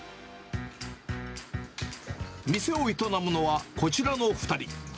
店を営むのはこちらの２人。